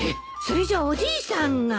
それじゃあおじいさんが？